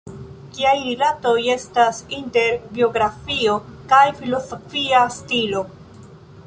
Kiaj rilatoj estas inter biografio kaj filozofia stilo?